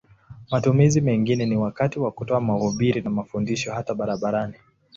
Matumizi mengine ni wakati wa kutoa mahubiri na mafundisho hata barabarani.